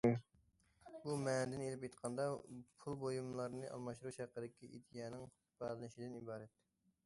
بۇ مەنىدىن ئېلىپ ئېيتقاندا، پۇل بۇيۇملارنى ئالماشتۇرۇش ھەققىدىكى ئىدىيەنىڭ ئىپادىلىنىشىدىن ئىبارەت.